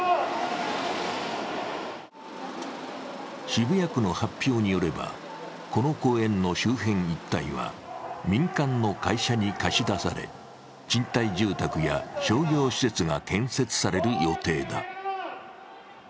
渋谷区の発表によれば、この公園の周辺一帯は民間の会社に貸し出され、賃貸住宅や商業施設が建設される予定だ。